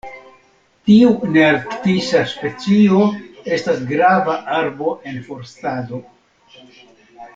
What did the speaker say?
Tiu nearktisa specio estas grava arbo en forstado.